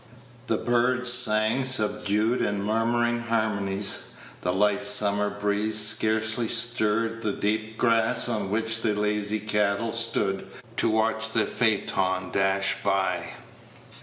The birds sang subdued and murmuring harmonies; the light summer breeze scarcely stirred the deep grass on which the lazy cattle stood to watch the phaeton dash by.